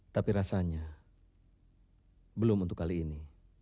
tapi rasanya belum untuk kali ini